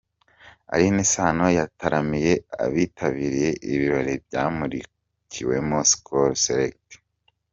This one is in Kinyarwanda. Alyn Sano yataramiye abitabiriye ibirori byamurikiwemo Skol Select.